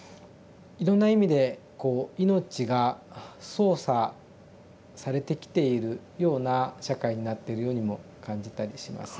いろんな意味でこう命が操作されてきているような社会になっているようにも感じたりします。